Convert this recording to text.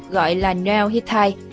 gọi là nel hittite